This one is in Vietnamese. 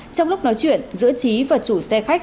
trong lúc nói chuyện giữa trí và chủ xe khách